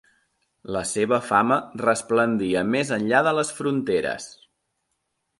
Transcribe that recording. La seva fama resplendia més enllà de les fronteres.